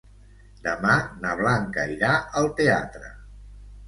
Demà na Blanca irà al teatre.